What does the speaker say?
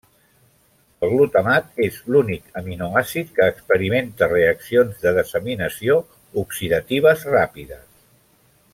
El glutamat és l'únic aminoàcid que experimenta reaccions de desaminació oxidatives ràpides.